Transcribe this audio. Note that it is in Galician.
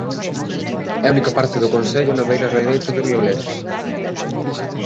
É a única parte do concello na beira dereita do río Lérez.